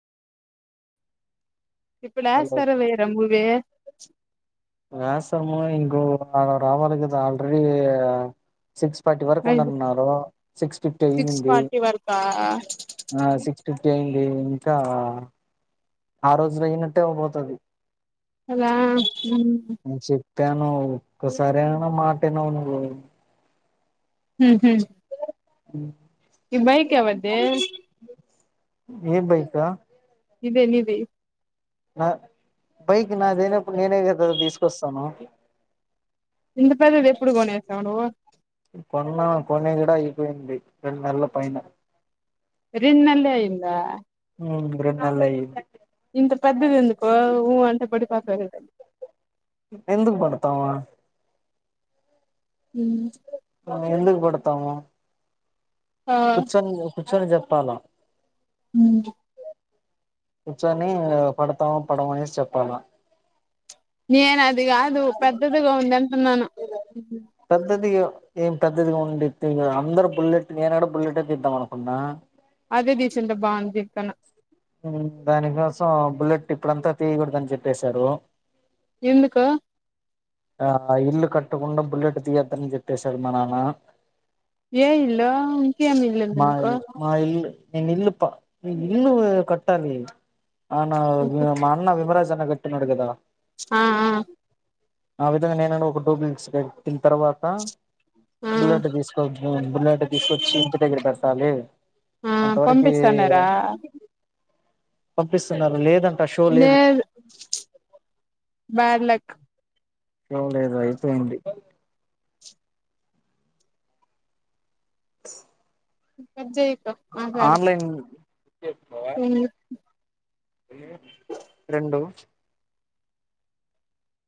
hello ఇప్పుడాస్తారా మీరు మువే వ్యాసము ఇంకో రావాలి కదా ఆల్రెడీ సిక్స్ థర్టీ వరకు ఉండనున్నారు సిక్స్ ఫిఫ్టీ సిక్స్ అయింది ఫార్టీ వరకా ఆ సిక్స్ చుట్టి అయిది ఇంకా ఆ రోజు పోయినట్టే పోతుది అలా ఉ తేను ఒక్కసరేనా మాట వినవు నువ్వు ఆహా ఈ బైక్ ఎవది ఏ బైకా ఇదే నీది నా బైక్ నాదేనప్పుడు నేనే కద తీసుకొస్తాను ఇంత పెద్దది ఎప్పుడు కొనేసావ్ నువ్వు పోనీ కూడా అయిపోయింది రెండు నెలల పైన రిన్ నెలలే అయిందా రెండు నెల్లె అయింది ఇంత పెద్దది ఉందికో ఊ అంటే పొడి పోతావు కదా ఎందుకు పడతావా హ ఎందుకు పడుతామ ఆ కూర్చోనికా పోయి చెప్పాల హ కూర్చొని పడతాము పడమ అనేసి చెప్పాల నేను అది కాదు పెద్దదిగా ఉంది అంటున్నాను పెద్దది ఏం పెద్దదిగా ఉండి అందరు బుల్లెట్ నేను కూడా బుల్లెట్ తీదం అనుకున్నా అదే దీసంట బ అనిపినా దానికోసం బుల్లెట్ ఇప్పుడంతా తీయకూడదని చెప్పేశారు ఎందుకు ఆ ఇల్లు కట్టకుండా బుల్లెట్ తీయద్దని చెప్పేశారు మా నాన్న ఏయ ఇల్ ఇంకే ఏ మిల్లందే మా మీకు ఇల్లు మా ఇల్లు నేను ఇల్లుపా ఇల్ కొట్టాలి అవునా మా అన్న విమరాజన్ కట్టునోడు కదా ఆ ఆ విధంగా నేనం ఒక డూప్లినిట్స్ కట్టిన తర్వాత ఆ ఆ బుల్లెట్ తీసుకో మున్నట తీసుకొచ్చి ఇంటి దగ్గర పెట్టాలి ఆ అంతవరకి పంపిస్తున్నారా పంపిస్తున్నారు లేదు షో లేదు బాడ్ లక్ షో లేదు అయిపోయింది మ్ కట్ చే ఆన్లైన్ రెండు